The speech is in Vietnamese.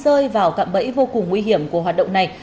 để không rơi vào cạm bẫy vô cùng nguy hiểm của hoạt động này